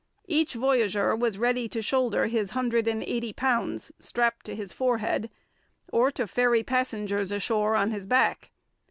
Each voyageur was ready to shoulder his 180 pounds, strapped to his forehead, or to ferry passengers ashore on his back.